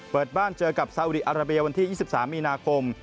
เปิดบ้านเจอกับซาอุดีอาราเบียวันที่๒๓มีนาคม